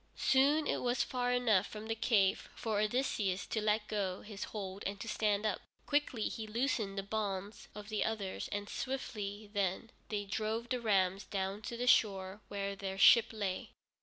Soon it was far enough from the cave for Odysseus to let go his hold and to stand up. Quickly he loosened the bonds of the others, and swiftly then they drove the rams down to the shore where their ship lay.